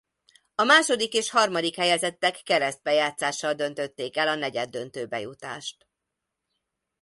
A második és harmadik helyezettek keresztbe játszással döntötték el a negyeddöntőbe jutást.